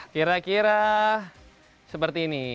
kira kira seperti ini